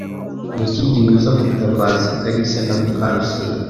Niki gihuza Mutabazi, kalisa na Mukarusine